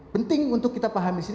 penting untuk kita pahami di sini